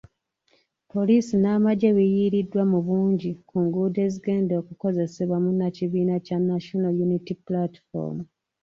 Poliisi n'amagye biyiiriddwa mu bungi ku nguudo ezigenda okukozesebwa munnakibiina kya National Unity Platform.